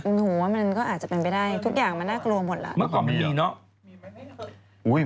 หนูว่ามันก็อาจจะเป็นไปได้ทุกอย่างมันน่ากลัวหมดละ